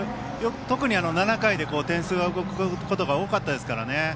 特に７回で点数が動くことが多かったですからね。